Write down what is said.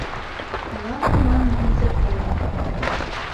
Ала пуыман юзо эмым